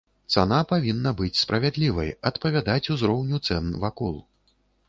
Цана павінна быць справядлівай, адпавядаць узроўню цэн вакол.